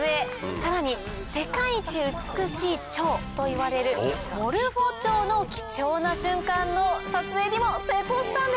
さらに世界一美しいチョウといわれるモルフォチョウの貴重な瞬間の撮影にも成功したんです！